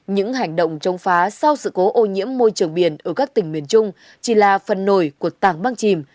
những hành động chống phá sau sự cố ô nhiễm môi trường biển ở các tỉnh miền trung chỉ là phần nổi của tảng băng chìm